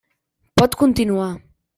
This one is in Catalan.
Pot continuar.